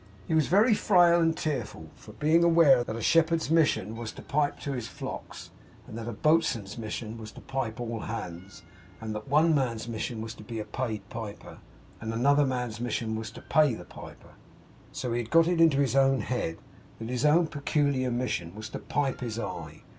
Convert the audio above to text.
He was very frail and tearful; for being aware that a shepherd's mission was to pipe to his flocks, and that a boatswain's mission was to pipe all hands, and that one man's mission was to be a paid piper, and another man's mission was to pay the piper, so he had got it into his head that his own peculiar mission was to pipe his eye.